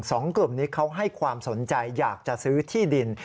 สองกลุ่มนี้เขาให้ความสนใจอยากจะซื้อที่ดิน